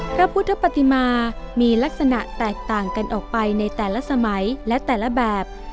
พระพุทธปฏิมามีลักษณะแตกต่างกันออกไปในแต่ละสมัยและแต่ละแบบ